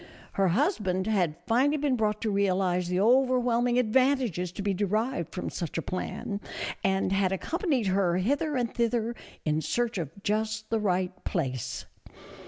Her husband had finally been brought to realize the overwhelming advantages to be derived from such a plan, and had accompanied her hither and thither in search of just the right place.